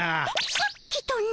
さっきとな？